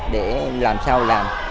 để làm sao làm